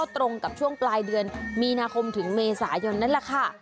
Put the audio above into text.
ตรงกับช่วงปลายเดือนมีนาคมถึงเมษายนนั่นแหละค่ะ